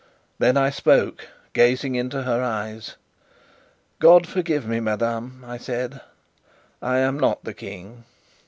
Then I spoke, gazing into her eyes. "God forgive me, madame!" I said. "I am not the King!"